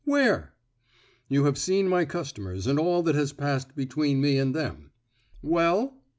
Where?" "You have seen my customers, and all that has passed between me and them." "Well?"